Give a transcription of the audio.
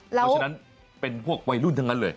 เพราะฉะนั้นเป็นพวกวัยรุ่นทั้งนั้นเลย